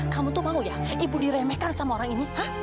kamu tuh mau ya ibu diremehkan sama orang ini